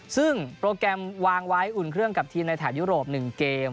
ซึ่งโปรแกรมวางไว้อุ่นเครื่องกับทีมในแถบยุโรป๑เกม